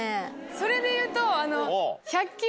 それでいうと。